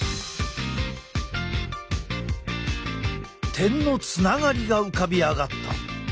点のつながりが浮かび上がった。